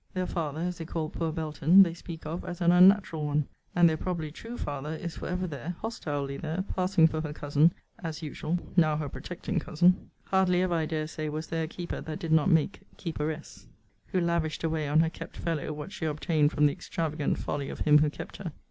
Their father (as they call poor Belton) they speak of as an unnatural one. And their probably true father is for ever there, hostilely there, passing for her cousin, as usual: now her protecting cousin. Hardly ever, I dare say, was there a keeper that did not make keeperess; who lavished away on her kept fellow what she obtained from the extravagant folly of him who kept her.